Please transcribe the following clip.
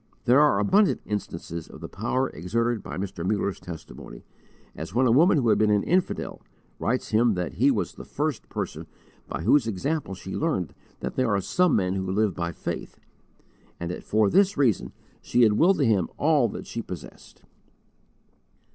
There are abundant instances of the power exerted by Mr. Muller's testimony, as when a woman who had been an infidel, writes him that he was "the first person by whose example she learned that there are some men who live by faith," and that for this reason she had willed to him all that she possessed.